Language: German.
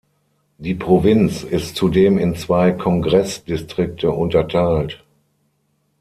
Die Provinz ist zudem in zwei Kongress-Distrikte unterteilt.